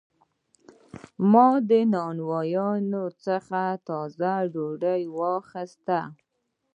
ما د نانوان څخه تازه ډوډۍ واخیسته.